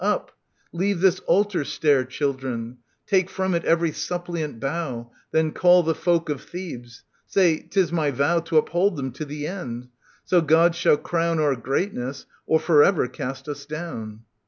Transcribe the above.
— Up ! Leave this altar stair. Children. Take from it every suppliant bough. Then call the folk of Thebes. Say, 'tis my vow To uphold them to the end. ySo God shall crown Our greatness, or for ever cast us down.